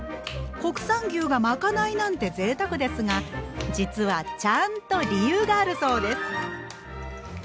国産牛がまかないなんてぜいたくですが実はちゃんと理由があるそうです。